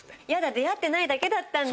出会ってないだけだったんだ！